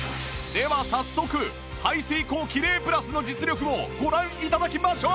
では早速排水口キレイプラスの実力をご覧頂きましょう！